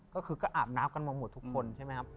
ก็คือก็อาบน้ำกันมาหมดทุกคนใช่ไหมครับ